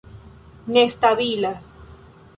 nestabila